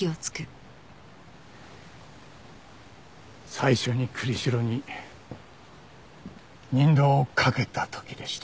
最初に栗城に任同をかけた時でした。